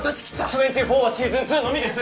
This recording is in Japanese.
「２４」はシーズン２のみです。